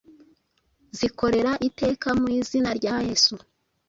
zikorera iteka mu izina rya Yesu.